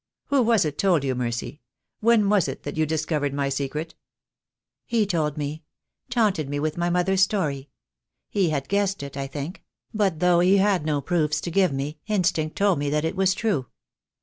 Who was it told you, Mercy — when was it that you discovered my secret?" "He told me — taunted me with my mother's story. He had guessed it, I think; but though he had no proofs to give me instinct told me that it was true.